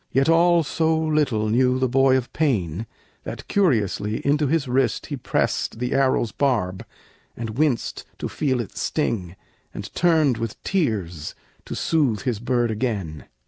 Yet all so little knew the boy of pain, That curiously into his wrist he pressed The arrow's barb, and winced to feel it sting, And turned with tears to soothe his bird again.